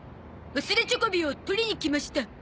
忘れチョコビを取りに来ました。